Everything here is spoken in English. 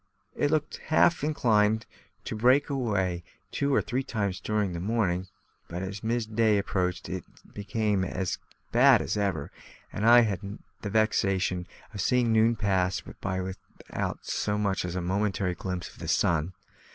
It looked half inclined to break away two or three times during the morning; but as mid day approached it became as bad as ever, and I had the vexation of seeing noon pass by without so much as a momentary glimpse of the sun.